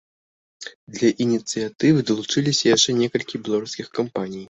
Да ініцыятывы далучыліся яшчэ некалькі беларускіх кампаній.